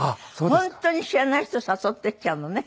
本当に知らない人誘っていっちゃうのね。